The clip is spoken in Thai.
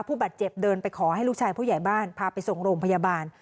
ผู้บาดเจ็บเดินไปขอให้ลูกชายผู้ใหญ่บ้านพาไปส่งโรงพยาบาล